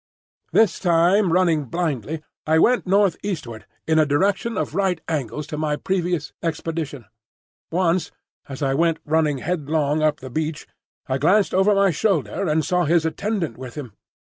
This time running blindly, I went northeastward in a direction at right angles to my previous expedition. Once, as I went running headlong up the beach, I glanced over my shoulder and saw his attendant with him.